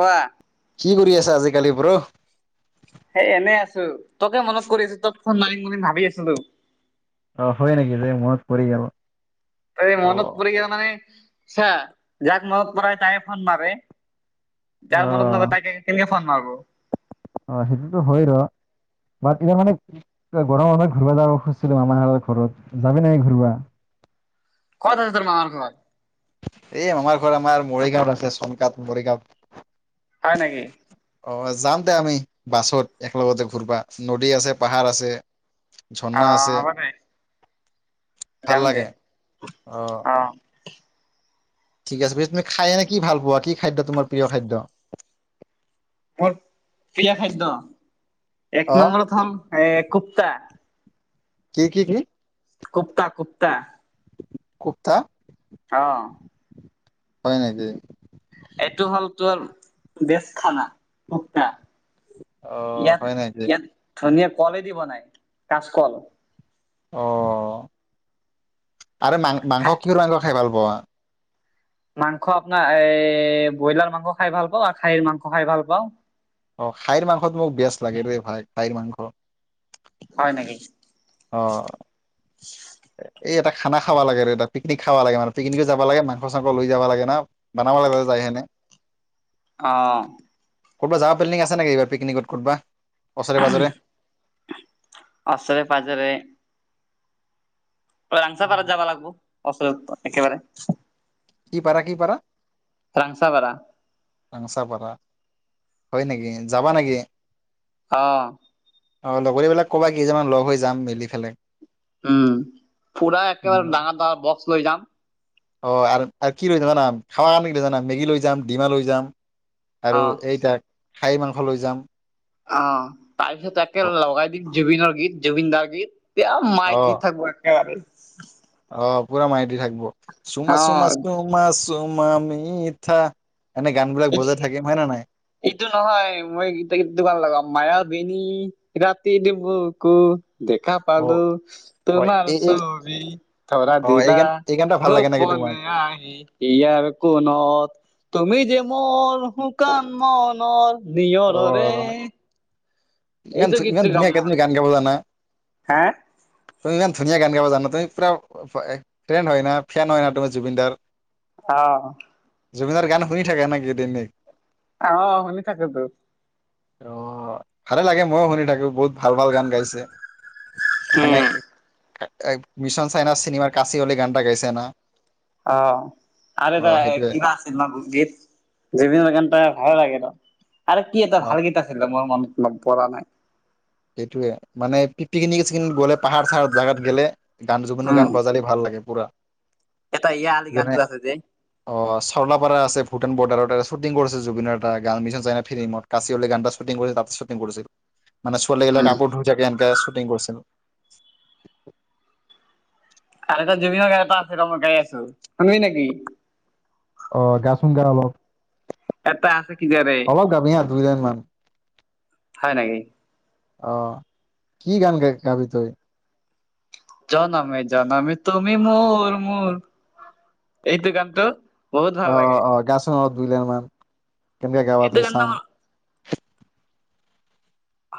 কোৱা। কি কৰি আছা আজিকালি ব্ৰ সেই এনেই আছো। তে মনত আছছে নাই ভাবি আছো তো অঁ হয় নেকি যে মনত পৰি গাব ত মনত পৰিক গল মানে চ যাক মগত প তাইে ফোন মাৰে যাৰ মনত নহ তাক ফোন মাৰিব অঁ সেইটোতো হয় ৰ বাট এতিয়া মানে গৰমৰ সময়ত ঘূবা যাব খুজিছিলো আমাৰত ঘৰত যাবি নাই ঘূবা কত আছে তোৰ মা হত এই আমাৰ ঘৰত আমাৰ মৰিগাঁৱত আছে চনকাত মৰিগাঁওৱত হয় নেকি? অ যাম। তে আমি বাছত একেলগতে ঘূৰবা নদী আছে পাহাৰ আছে। অ ঝৰ্ণা আছে হ'ব দে। ভাল যাম দে লাগে অ। ঠিক আছে ব তুমি খাই নে কি ভাল পোৱা কি খাদ্য তোমাৰ প্ৰিয় খাদ্য। মোৰ প্ৰিয় খাদ্য এক অ' নম্বৰতে থম এ কুপ্তা। কি কি কি। কুপ্তা কুপ্তা। কুক্তা আহ হয় নেকি। এইটো হ'ল তোৰ। বেশখানা ভোকটা। অ' ইয়াত হয় নেকি ইয়াত ধনিয়া। কলেদি বনাই কাচকল। আহ' আৰে মাং মাংস খাই কিহৰ মাংস খাই ভাল। কোৱা মাংস আপোনাৰ এ ব্ৰইলাৰ মাংস খাই ভাল পাওঁ আৰু খাহীৰ মাংস খাই ভাল পাওঁ। অ খাইৰ মাংসত মোক বেষ্ট লাগে ৰে ভাই খাইৰ মাংস। হয় নেকি। অ হয় এই এটা খানা খাব লাগে আৰু এটা পিকনিক খাব লাগে মানে পিকনিকে যাব লাগে মাংস চাংস লৈ যাব লাগে ন বনাব লাগে যায় কিনে। অ' কৰবাত যাব প্লেনিং আছে নেকি এইবাৰ। পিকনিকত ক'বা। অশৰে পাজৰে। অং চাপাৰত যাবা লাগিব। অচত একেবাৰে। কি পাৰা কি পাৰা। ৰাংচাপাৰা ৰাংচাপাৰা হয় নেকি যাবা নেকি? অ অ লগৰীবলাক কবা কেইজনমান লগ হৈ যাম মেলি পেলাই? উম পুৰা একেবাৰে উম। ডাঙৰ ডাঙৰ বক্স। লৈ যাম। অ কি লৈ যাম জানা খাৱ কাৰণে কি জানা মেগী লৈ যাম ডিমা লৈ যাম। আৰু অ' এইটাক। খাহী মাংস লৈ যাম। অ' তাৰপিছত তাকে লগাই দিম জুবিনৰ। গীত জুবিন দাৰ গীত। এতিয়া মাই অ। দি থাকিব একেবাৰে। উ অ' পূৰা মাই দি থাকিব চুমছ চুমছ অ' চমাছ [inaudible] চুমা মি থা এইটো এইটো নহয় মইটেই দোকান লগাম মায়া বেনী [inaudible] ৰাতি নি্বু ক দেখা অ পালো হয় তোমাৰ এই এই চবি ধৰা অ এই দিলা। গান এই গানটা ভাল লাগে নেকি তোমাক গোপনে আহি ইয়াৰ কোনত তুমি যে অ' শুকান মনৰ নিয় অ নৰে [inaudible] ইমান ইমান ধুনীয়াকে তুমি গান গাব জানা। হা তুমি ইমান ধুনীয়া গান গাব জানা তুমি পুৰা ফ্ৰেণ্ড হয় ন ফেন হয় না তুমি জুবিনদাৰ। অ' জুবিনৰ গান শুনি থাকে নেকি এ তেনেই। আহ শুনি থাকোঁ‌তো। অ' ভালে লাগে ময়ো শুনি থাকো বহুত ভাল ভাল গান গাইছে। মানে উম মিছন চাইনা চিনেমাৰ কাচি হলি গান এটা গাইছে না অ' আৰু অ এটা সেইটোৱে কিবা আছিল গীত জুবিন গান ভাল লাগিল। আৰু কি এটা অ ভাল গেইটা আছিলে মোৰ মনত। পৰা নাই। সেইটোয়ে মানে পিকনিক চিকনিক গ'লে পাহাৰ চাহাৰ জোগাত গ'লে গান জুবিনো উম, গান বজালি ভাল লাগে পুৰা এটা ইয় [inaudible] আলি যেনে গানটো আছে যে অ চৰ্লাপাৰা আছে ভূটান বৰ্ডাৰৰ শ্বুটিং কৰিছিল জুবিননৰ এটা গান মিছন চাইনা ফিল্মত কাচিলি গানটা শ্বুটি কৰিছিল। তাতে শ্বুটিং কৰিছিল। মান চাল লাগিলে উম। কাপোৰ ধুইাকে [inaudible] একে শুটিং কৰিছিল। [inaudible] আৰু এটা জুবিননৰ গাৰ এটা আছিল ত মই গাড় আছো শুনি নেকি? অ' গা চোন গা অলপ এটা আছে কিজাৰে অলপ গাবি হা দুইজন মান। হয় নেকি? আহ। কি গান গ গাবি তই জনমে জনমে তুমি মোৰ মোৰ এইটো গানটো বহুত ভাল অ অ লাগে। অ গাছ দুইলাৰমান কেমকে গৱা এইটো তই গানটো চাং মোৰ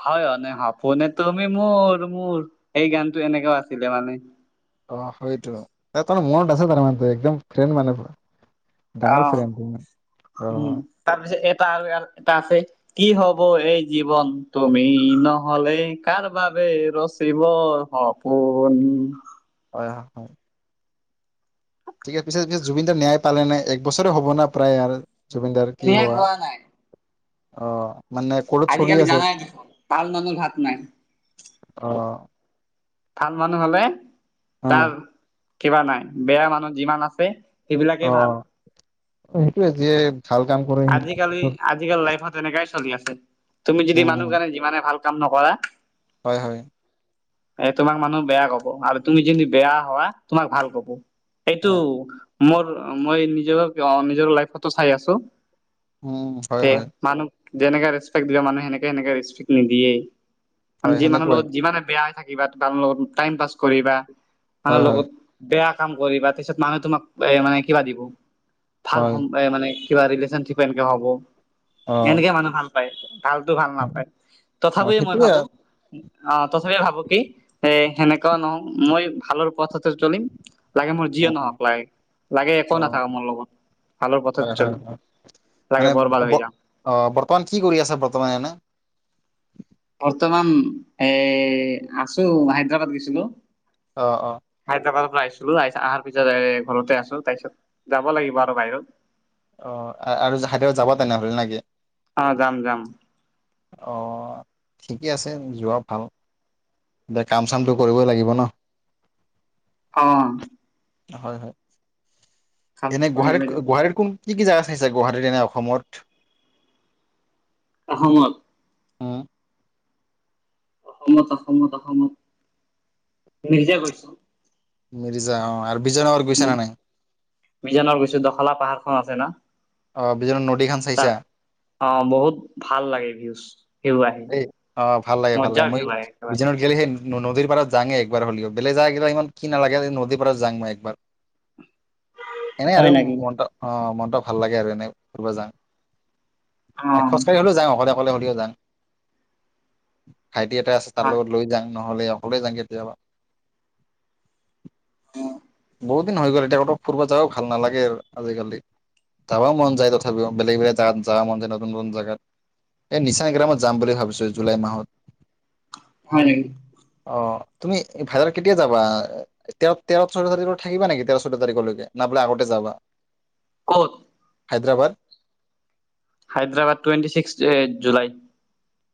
হয়নে সপোনে তুমি মোৰ মোৰ এই গানটো এনেকে আছিলে মানে। অ সেইটো ত তমাৰ মনত আছে তাৰমানে একদম ফ্ৰেণ্ড মানে তোৰ। অহ উম তাৰপিছত তাৰটা আছে কি হব এই জীৱন তুমি নহলে কাৰ বাবে ৰচিব সপোন হয় হয় হয়। ঠিকছে পিছে পি জুবিনদাৰ ন্যায় পালে নাই একবছৰে হ'ব না প্ৰায় আৰু। জুবিনদাৰ কি ধুনীয়া হোৱা গোৱা নাই। অ মানে ক'ত চলি আজিকালি আছে জানাই দেখুন ভাল মানুহ ভাত নাই। অ ভাল মানুহ হলে অ তাৰ কিবা নাই বেয়া মানুহ যিমান আছে সেইবিলাকেই ভাল, অ সেইটোৱে যে আজিকালি আজিকালি লাইফত এনেকাই চলি আছে তুমি যদি মানুহ উম কাৰণে যিমানে ভাল কাম নকৰা হয় হয়। এ তোমাক মানুহ বেয়া কব আৰু তুমি যদি বেয়া হোৱা তোমাক ভাল কব। এইটো হয় মোৰ মই নিজৰ নিজৰ লাইফতো চাই আছো উম হয় তে হয়। মানুহ যেনেকে ৰেচপেক্ দিবা মানুহ সেনেকে সেনেকে ৰেচপেক্ নিদিয়েই। হয় যি মানুহ সেনেকুৱাই লগত যিমানে বেয়াই থাকে। কিবা তোমাৰ লগত টাইম পাছ কৰিবা। আনৰ হয় হয় লগত বেয়া। কাম কৰিবা তাৰিছত মানুহ তোমাক এ মানে কিবা দিব ভাল হয় সম মানে, কি পাৰিলে। এনেকে ভাব অ এনেকে মানুহ ভাল। হয়া [unintelligible] ভালতো ভাল নাপায় অ তথাপি মই সেইটোয়ে ভাবো, অ তথাপি ভাবো কি এ সেনেকুৱা নহও মই ভালৰ পথতে চলিম, লাগে মোৰ অ যিয়ে অ নহওক লাগে, লাগে একো অ নাথাকো মোৰ লগত ভালৰ পথ হয় হয় চলিম। হয় লাগে মানে বৰবাদ অ হৈ যাম বৰ্তমান কি কৰি আছে বৰ্তমানে এনে? বৰ্তমান এ আছো হায়দৰাবাদ গৈছিলো। অঁ অঁ হায়দৰাবাদৰ পৰা আহিছিলো আহ অহাৰ পিছত ঘৰতে আছো তাৰ পিছত যাব লাগিব আৰু বাহিৰত। অ আৰু হাইতেও যাবা তেনেহ'লে নে কি? আহ যাম যাম অ ঠিকে আছে যোৱা ভাল এতিয়া কাম চামটো কৰিবই লাগিব ন। অ হয় হয় এনে কামটো কৰিব গুৱাহাটি লাগিব গুৱাহাটি কোন কি কি জেগা চাইিছে গুৱাহাটীত নে অসমত, অসমত উম, অসমত অসমত অসমত নিজে গৈছো। মিৰিজা অ আৰু বিজয়নগৰ গৈছা উ নে নাই বিজানৰ গৈছো দখলা পাহাৰ খন আছে ন, অ বিজয়নগৰ নদীখন চাইছা? তাত অ বহুত ভাল লাগে উ এ অ ভাল লাগে ভাল লাগে মই ভিউ আহে একেবাৰে বিজানুত গ'লেহেন নদীৰ পাৰত যাে একবাৰ হ'লেও বেলেগ যায় কেইা ইমান কি নালাগে নদীৰ পাৰত যাং মই একবাৰ। এনে হয় নেকি ম অ ম ভাল লাগে আৰু এনে ফুৰিব যাওঁ। অ এ খোজকাঢ়ি হলেও যাওঁ অকলে অকলে [unintelligible] [unintelligible] ভাইটি এটা আছে তাৰ লগত লৈ যাম। নহ'লে অকলে যাওঁ কেতিয়াবা! অ বহুত দিন হৈ গ'ল এতিয়া কত ফুৰিব যাও ভাল নালাগে আৰু আজিকালি যাবও মন যায় তথাপিও বেলেগ বেলেগ জাত যাবা মন যায় নতুন নতুন জেগাত এই নিচা এক ম যাম বুলি ভাবিছোঁ জুলাই মাহত। হয় নেকি অ তুমি ভাইদত কেতিয়া যাবা তেৰ তেৰ চৈধ্য তাৰিখৰ থাকিবা নেকি। তেৰ চৈধ্য তাৰিখলৈকে ন বোলে আগতে যাবা। ক'ত? Hyderabad. Hyderabad twenty six July.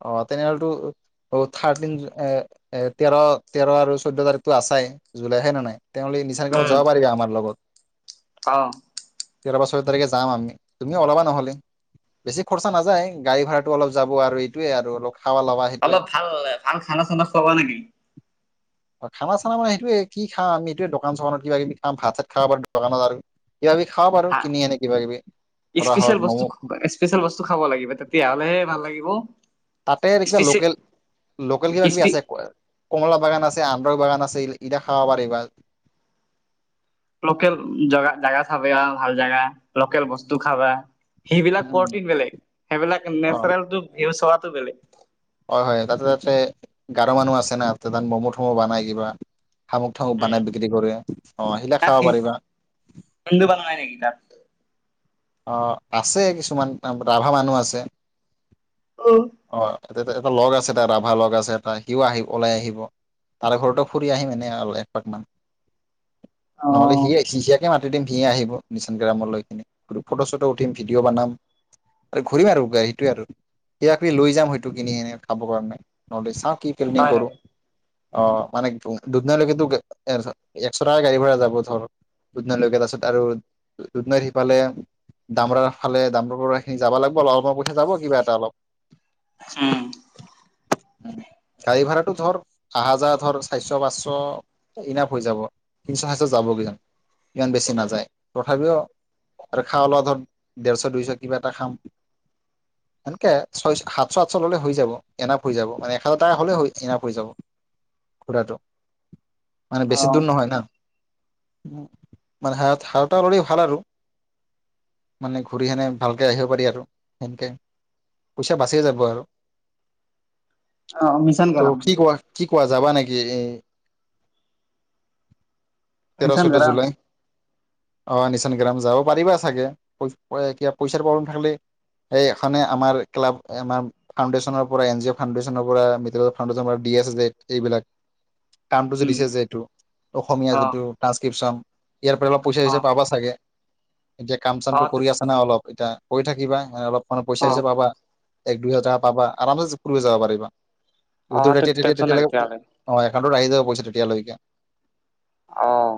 অ তেনেহ'লে থাৰ্টিন এ এ তেৰ তেৰ আৰু চৈধ্যয় তাৰিখতটো আছাই জুলাই হয় নে নাই। তেওঁলি নিচান কামত যাব পাৰিবি আমাৰ লগত। অহ তেৰ পাচ ছয় তাৰিখে যাম আমি তুমিও ওলাবা নহ'লে বে খৰচা নাযায় গাড়ী ভাড়াটো অলপ যাব আৰু। সেইটো আৰু অলপ। খাৱা ল'বা সেইটোয়ে অলপ ভাল ভাল খানা চানা খোৱাবা নেকি? হয় খানা চানা মানে সেইটোয়ে কি খাম আমি এইটোয়ে দোকান চোকানত কিবা কিবি খাম ভাত চাত খাব পাৰোঁ দোকানত আৰু। কিবা কিবি খাব পাৰো হা কিনি এনে কিবা কিবি কৰা হওক স্পেচিয়েল বস্তু ম'ম' স্পেচিয়েল বস্তু খাব লাগিব তেতিয়াহ'লেহে ভাল লাগিব। তাতে ৰেকিবা স্পেচিয়েল লোকেল লোকেল কিবা কিবি স্পি আছে। কমলা বাগান আছে আন্ধ্ৰহ বাগান আছে ইতিয়া খাব পাৰি বা। লোকেল জগা জেগা চাব আৰু ভাল জাগা। লোকেল বস্তু খাবা সেইবিলাক উম প্ৰটিন বেলেগ সেইবিলাক অ নেচাৰেল ভিউ চত। টো বেলেগ হয় হয় তাতে তাতে গাৰ মানুহ আছে না তাতে তাত ম'ম' থম' বনাই কিবা, শামুক থামুক বানাই বিক্ৰী কৰে। অহ সেইবিলাক তাত খাব পাৰিবা। হিন্দু বনাই নেকি তাত অহ আছে কিছুমান ৰাভা মানুহ আছে। অ। এটা লগ আছে এটা ৰাভা লগ আছে এটা সিও আহি ওলাই আহিব তাৰে ঘৰতো ফুৰি আহিম এনে একপাক মান। অ নহ'লে সিয়ে সিয়াকে মাত- দুদিন ভি আহিব মিচান গ্ৰামৰ লৈ কিনে ফটো চটো উঠিম ভিডিঅ' বনাম আৰু ঘূৰিম আৰু গাড়ীটোৱে আৰু। সেই আ তোৱে লৈ যাম হয়েটো কিনি কেনে খাব কাৰণে নহয় টো চাহ। কি পেলেনিং‌ হয় কৰোঁ। নেকি অ মানে দুদিনলৈকেতো একশটাকে গাড়ী ভাড়া যাব ধৰ দুদিনলৈকে তাৰপিছত আৰু দুদিনত সিফালে দামৰ ফালে দামৰিনি যাব লাগিবললপ পইচা যাব কিবা এটা অলপ। উম। উ গাড়ী ভাড়াটো ধৰ আহা যাৱা ধৰ চাৰিশ পাঁচশ ইনাফ হৈ যাব তিনি ছয়হাজাৰ যাব কেইজন ইমান বেছি নাযায় তথাপিওঁ আৰু খাওলোৱা ধৰ ডেৰশ দুইশ কিবা এটা খাম সেনকে। ছয় সাতশ আতশ ল'লে হৈ যাব এনাপ হৈ যাব মানে এক হাজাৰ টকা হ'লে হৈ এনাপ যাব ঘুৰাটো। মানে অ বেছি দূৰ নহয় ন। মানে হ সাৰটা ল'লে ভাল আৰু মানে ঘূৰি সেনে ভালকে আহিব পাৰি আৰু সেনেকে। পইচা বাচিয়ে যাব আৰু। অ মিছন ত গৰম কি কোৱা কি? কোৱা যাবা নেকি এ। তেৰ মিছন চৈধ্য গৰম জুলাই। অ নিচান গ্ৰাম যাব পাৰিবা চাগৈ কিবা পইচাৰ প্ৰব্লেম থাকিলেই এই এখনে আমাৰ। ক্লাব আমাৰ ফাউণ্ডেশ্যনৰ পৰা এন জি অ' ফাউণ্ডেশ্যনৰ পৰা মিত ফাউণ্ডেশ্যনৰ পৰা ডি এছ ডে এইবিলাক। কামটো যদি উম দিছে যটো অসমীয়া অ যিটো ট্ৰানসক্ৰিপশ্যন ইয়াৰ পৰা অলপ অ পইচাইছে পাবা চাগে এতিয়া অ কাম-চামটো কৰি আছা না অলপ, এতিয়া কৰি থাকিবা, এ অলপ মানুহ অ পইচা হিচাপ পাবা। এক, দুই হাজাৰ পাবা, আৰামছে জিকু লৈ যাব পাৰিবা। অ উদুৰাতি টেনচন নাই তেতিয়া-তেতিয়ালৈকে তেতিয়াহ'লে অ, একাউণ্টত আহি যাব পইচো তেতিয়ালৈকে অহ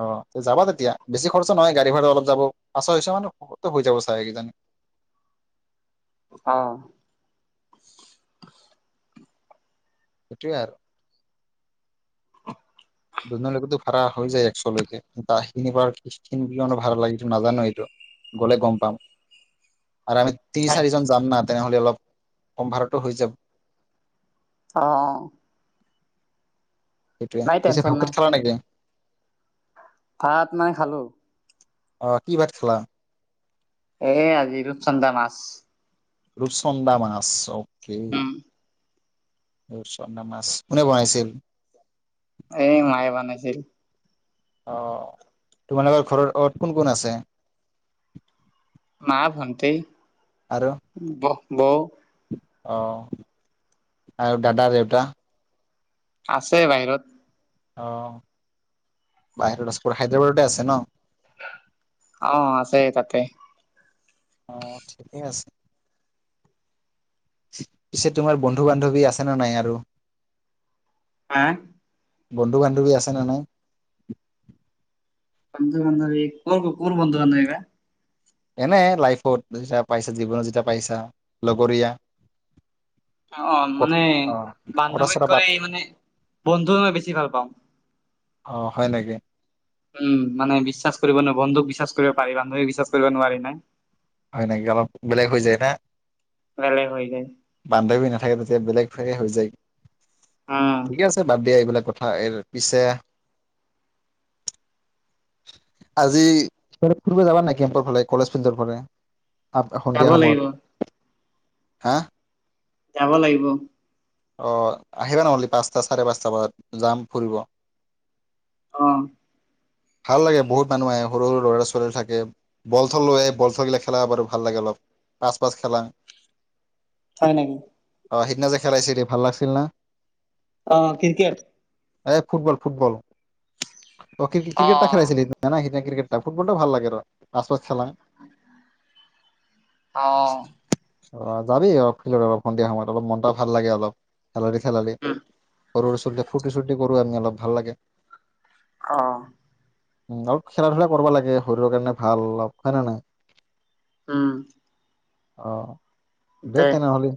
অ, যাবা তেতিয়া, বেছি খৰচা নহয় গাড়ী ভাড়া অলপ যাব পাঁচ, ছয় মানতো হৈ যাব চাই কিজানি? অহ সেইটোৱে আৰু। দুজনৰ লৈকেতো ভাড়া হৈ যায় এক্সলৈকে, বাকিখিনি পৰা কিমান ভাড়া লাগে নাজানো এইটো, গ'লে গম পাম। আৰু আমি তিনি চাৰিজন যাম না, তেনেহ'লে অলপ সম্ভাৰতো হৈ যাব। অহ' অ অ অ সেইটোৱে, এই যে টেনচন ভাত-চাত নাই খালা নে এতিয়া? ভাত, নাই খালো চু অ কি ভাত খালা। এ' আজি ৰূপচন্দা মাছ। ৰূপচন্দা মাছ ওকে, উম ৰূপচন্দা মাছ কোনে বনাইছিল? এই মায়ে বানাইছিল। অ অ, তোমালোকৰ ঘৰত অত কোন কোন আছে? মা, ভণ্টি। আৰু বহ ব অ অ অ আৰু দাদা, দেউতা। আছে বাহিৰত। অ অ অ বাহিৰত আছে, পুৰা হায়দৰাবাদতে আছে ন। অ' আছেই তাতে। অ অ অ' ঠিকেই আছে, পিছে তোমাৰ বন্ধু-বান্ধৱী আছেনে নাই আৰু? আ বন্ধু-বান্ধৱী আছে নে নাই ভু ভু বন্ধু-বান্ধৱী কোন কোন বন্ধু-বান্ধৱী বা? এনে লাইফত যেতিয়া পাইছা, জীৱনত যেতিয়া পাইছা। লগৰীয়া। অ অ কত মানে অ কথা বান্ধৱীত চথা পাত কৰি মানে, বন্ধু মই বেছি ভাল পাওঁ। অ, হয় নেকি। উম' উ উ মানে বিশ্বাস কৰিব ন বন্ধুক বিশ্বাস কৰিব পাৰি, বান্ধৱীক বিশ্বাস কৰিব নোৱাৰি না। হয় নেকি, অলপ বেলেগ হৈ যায় না। বেলেগ হৈ যায় বান্ধৱী নাথাকে তেতিয়া বেলেগ এ হয় যায়। অ ঠিকে আছে বাদ দিয়া এইবিলাক। কথা ই পিছে আজি ফুৰিব যাবা নাই কেম্পৰ ফালে কলেজ ফিল্ডৰ ফালে। আ যাব সন্ধিয়া সময়ত লাগিব হা যাব লাগিব। অ আহিবা নহ'লে পাঁচটা চাৰে পাঁচটা বজাত যাম ফুৰিব। অ ভাল লাগে বহুত মানুহ আহে সৰু সৰু ল'ৰা ছোৱালী থাকে বলথল লৈ বল থল গিলাক। খেলা বাৰু ভাল লাগে অলপ পাছ পাছ খেলা। হয় নেকি। অ সিদিনা যে খেলাইছিল দ ভাল লাগিছিল না। অ ক্ৰিকেট। এ ফুটবল, ফুটবল। অ ক ক্ৰিকেট খেলাইছিল না ক্ৰিকেট এ ফুটবলটো ভাল লাগে ৰ আচ পাছ খেলা অ অ যাবি অ ফিল্ডত অলপ সন্ধিয়া সময়ত অলপ মনত ভাল লাগে। অলপ- খেল খেলালে বৰুৱৰে চুতে ফুটি চুটি কৰি আমি অলপ ভাল লাগে। আহ উ অলপ খেলা ধূলা কৰিব লাগে শৰীৰৰ কাৰণে ভাল অলপ হয় নে নহয়। উম অ দে তে নহ'লে